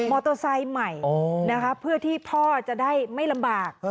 โตไซค์ใหม่นะคะเพื่อที่พ่อจะได้ไม่ลำบาก